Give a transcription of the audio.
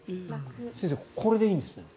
先生、これでいいんですね。